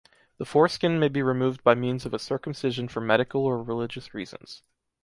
The foreskin may be removed by means of a circumcision for medical or religious reasons.